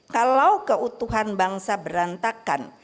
kalau keutuhan bangsa berantakan